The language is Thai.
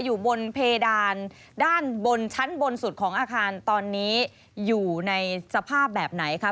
อยู่บนเพดานด้านบนชั้นบนสุดของอาคารตอนนี้อยู่ในสภาพแบบไหนคะ